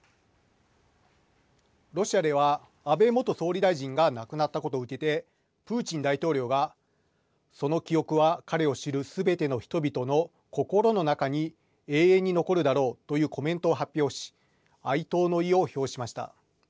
ロシアでは、安倍元総理大臣が亡くなったことを受けてプーチン大統領がその記憶は彼を知るすべての人々の心の中に永遠に残るだろうというコメントを発表し哀悼の意を表しました。